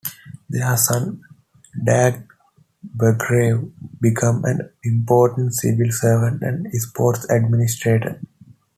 Their son Dag Berggrav became an important civil servant and sports administrator.